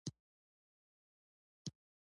بادام د افغانستان د اقتصادي منابعو ارزښت پوره زیاتوي.